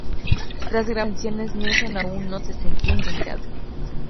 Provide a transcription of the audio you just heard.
Tras grabar varias canciones, Nelson aún no se sentía inspirado.